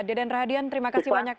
deden rahadian terima kasih banyak